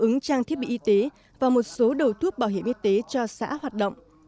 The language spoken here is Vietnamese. ứng trang thiết bị y tế và một số đầu thuốc bảo hiểm y tế cho xã hoạt động